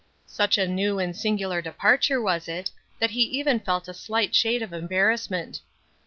Such a new and singular departure was it, that he even felt a slight shade of embarrassment.